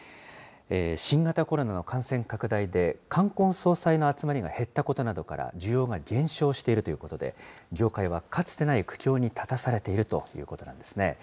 新型コロナの感染拡大で冠婚葬祭の集まりが減ったことなどから需要が減少しているということで、業界はかつてない苦境に立たされているということなんですね。